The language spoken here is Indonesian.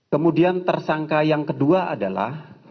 kemudian tersangka yang kedua adalah